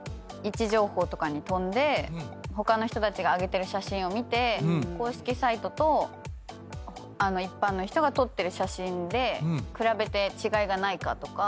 他の人たちが上げてる写真を見て公式サイトと一般の人が撮ってる写真で比べて違いがないかとか。